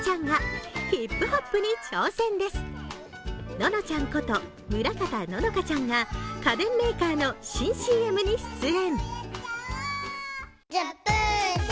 ののちゃんこと村方乃々佳ちゃんが家電メーカーの新ＣＭに出演。